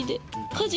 家事。